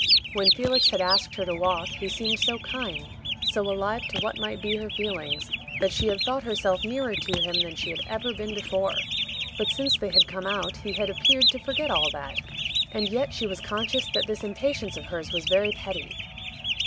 When Felix had asked her to walk he seemed so kind, so alive to what might be her feelings, that she had thought herself nearer to him than she had ever been before; but since they had come out he had appeared to forget all that. And yet she was conscious that this impatience of hers was very petty.